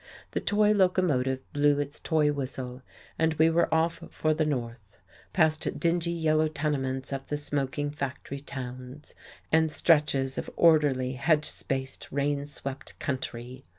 The toy locomotive blew its toy whistle, and we were off for the north; past dingy, yellow tenements of the smoking factory towns, and stretches of orderly, hedge spaced rain swept country.